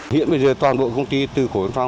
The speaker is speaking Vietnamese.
hiện bây giờ toàn bộ công ty từ khối phong